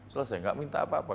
selesai nggak minta apa apa